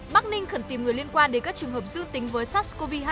bắc ninh khẩn tìm người liên quan đến các trường hợp dương tính với sars cov hai